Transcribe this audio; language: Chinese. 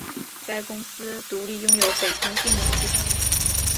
该公司独立拥有北京定陵机场。